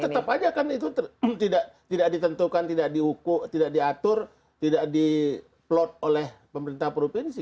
tetap aja kan itu tidak ditentukan tidak diukuk tidak diatur tidak di plot oleh pemerintah provinsi